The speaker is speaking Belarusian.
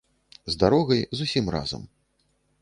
З дарогай, з усім разам.